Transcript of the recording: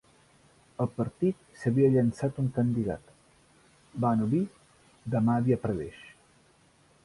En el partit s'havia llançat un candidat, Bano Bee de Madhya Pradesh.